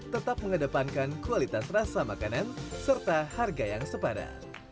tetap mengedepankan kualitas rasa makanan serta harga yang sepada